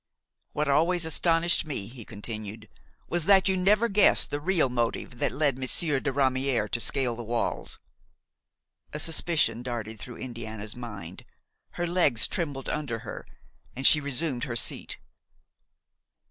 "What always astonished me," he continued, "was that you never guessed the real motive that led Monsieur de Ramière to scale the walls." A suspicion darted through Indiana's mind; her legs trembled under her, and she resumed her seat.